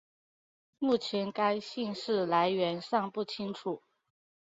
目前该姓氏来源尚不清楚。